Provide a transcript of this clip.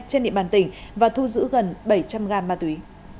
trên địa bàn tỉnh và thu giữ gần bảy trăm linh gam ma túy